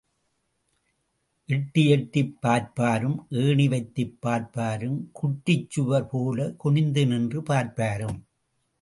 எட்டி எட்டிப் பார்ப்பாரும், ஏணி வைத்துப் பார்ப்பாரும், குட்டிச்சுவர் போலக் குனிந்து நின்று பார்ப்பாரும்.